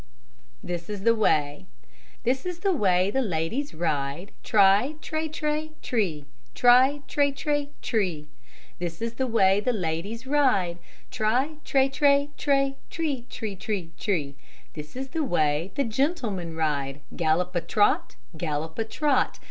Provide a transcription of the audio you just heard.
THIS IS THE WAY This is the way the ladies ride, Tri, tre, tre, tree, Tri, tre, tre, tree! This is the way the ladies ride, Tri, tre, tre, tre, tri tre tre tree! This is the way the gentlemen ride, Gallop a trot, Gallop a trot!